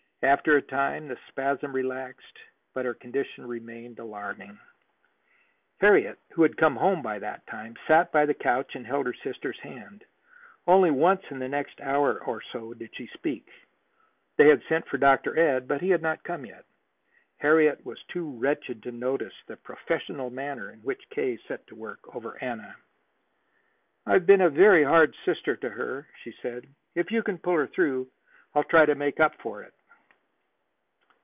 After a time the spasm relaxed, but her condition remained alarming. Harriet, who had come home by that time, sat by the couch and held her sister's hand. Only once in the next hour or so did she speak. They had sent for Dr. Ed, but he had not come yet. Harriet was too wretched to notice the professional manner in which K. set to work over Anna. "I've been a very hard sister to her," she said. "If you can pull her through, I'll try to make up for it."